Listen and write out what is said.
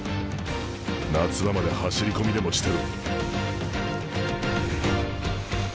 夏場まで走り込みでもしてろ。